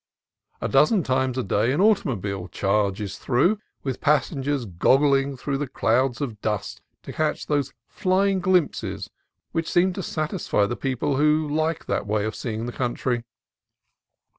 A dozen times a day an automobile charges through, with passen gers goggling through clouds of dust to catch those flying glimpses which seem to satisfy the people who like that way of seeing the country.